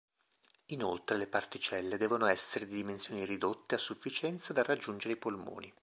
Inoltre le particelle devono essere di dimensioni ridotte a sufficienza da raggiungere i polmoni.